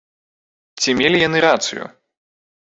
Ці мелі яны рацыю?